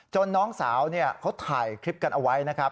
น้องสาวเขาถ่ายคลิปกันเอาไว้นะครับ